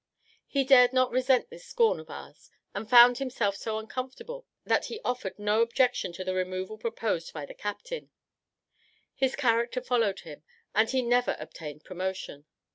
He dared not resent this scorn of ours; and found himself so uncomfortable, that he offered no objection to the removal proposed by the captain; his character followed him, and he never obtained promotion.